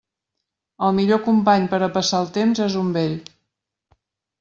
El millor company per a passar el temps és un vell.